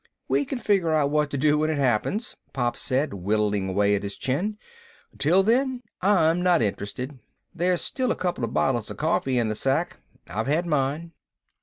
"We can figure out what to do when it happens," Pop said, whittling away at his chin. "Until then, I'm not interested. There's still a couple of bottles of coffee in the sack. I've had mine."